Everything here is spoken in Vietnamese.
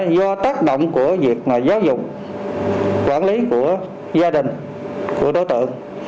do tác động của việc giáo dục quản lý của gia đình của đối tượng